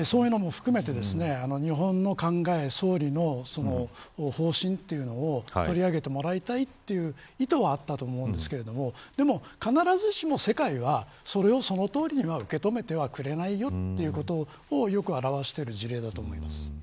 そういうのを含めて日本の考え政府の方針というのを取り上げてもらいたいという意図はあったと思うんですけれども必ずしも世界はそれをそのとおりには受け止めてはくれないよということをよく表している事例だと思います。